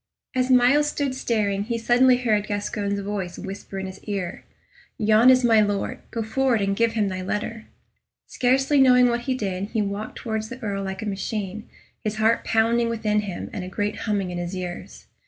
As Myles stood staring, he suddenly heard Gascoyne's voice whisper in his ear, "Yon is my Lord; go forward and give him thy letter." Scarcely knowing what he did, he walked towards the Earl like a machine, his heart pounding within him and a great humming in his ears.